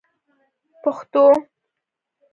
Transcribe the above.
پښتو